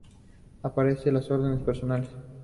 Aparecen los ordenadores personales.